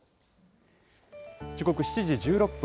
時刻７時１６分。